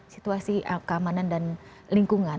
situasi keamanan dan lingkungan